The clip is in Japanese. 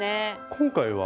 今回は？